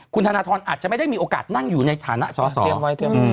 คุณธนทรอาจจะไม่ได้มีโอกาสนั่งอยู่ในฐานะสอสอเออเตรียมไว้เตรียมไว้